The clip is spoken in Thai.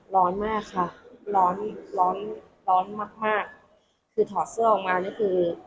ร้อนมากค่ะร้อนร้อนร้อนมากมากคือถอดเสื้อออกมานี่คือ